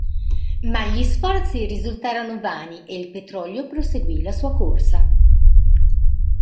Ma gli sforzi risultarono vani e il petrolio proseguì la sua corsa.